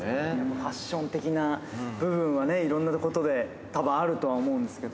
ファッション的な部分はね、いろんなところでたぶんあるとは思うんですけど。